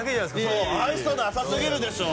それそう愛想なさすぎるでしょ